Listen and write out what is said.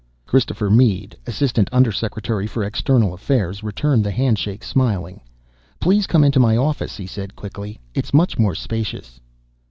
Christopher Mead, Assistant Undersecretary for External Affairs, returned the handshake, smiling. "Please come into my office," he said quickly. "It's much more spacious."